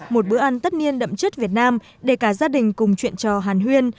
một bữa ăn tất niên đậm chất việt nam để cả gia đình cùng chuyện trò hàn huyên